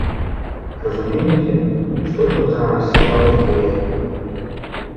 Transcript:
Разумееце, што тут зараз з экалогіяй?